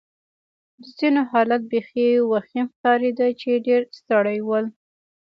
د ځینو حالت بېخي وخیم ښکارېده چې ډېر ستړي ول.